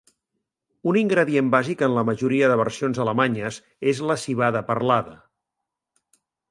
Un ingredient bàsic en la majoria de versions alemanyes és la civada perlada.